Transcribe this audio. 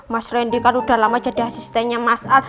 mas randy kan udah lama jadi asistennya mas al